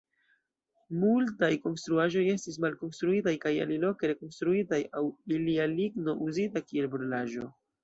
Multaj konstruaĵoj estis malkonstruitaj kaj aliloke rekonstruitaj aŭ ilia ligno uzita kiel brulaĵo.